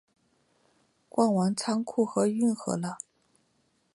逛完仓库和运河了